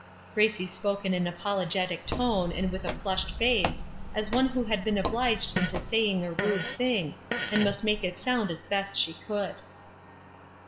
Grace spoke in an apologetic tone, and with a flushed face, as one who had been obliged into saying a rude thing, and must make it sound as best she could.